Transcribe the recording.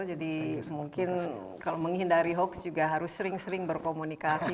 jadi mungkin kalau menghindari hoax juga harus sering sering berkomunikasi